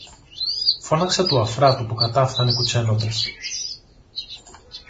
φώναξα του Αφράτου που κατάφθανε κουτσαίνοντας.